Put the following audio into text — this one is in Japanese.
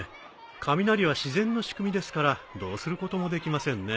雷は自然の仕組みですからどうすることもできませんね。